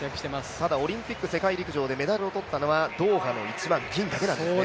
ただ、オリンピック世界陸上でメダルを取ったのはドーハの１００００ｍ銀だけなんですよね。